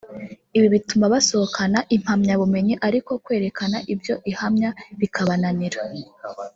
ibi bituma basohokana impamyabumenyi ariko kwerekana ibyo ihamya bikabananira